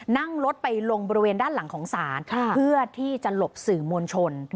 นั่งรถไปลงบริเวณด้านหลังของศาลเพื่อที่จะหลบสื่อมวลชน